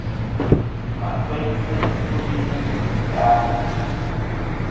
Mà kfeynsɨ ɨfwoyɨnɨ nɨ zɨ-a ?